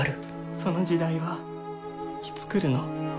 その時代はいつ来るの？